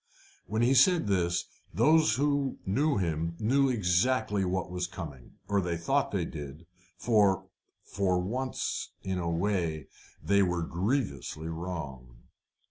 When he said this, those who knew him knew exactly what was coming; or they thought they did, for, for once in a way, they were grievously wrong.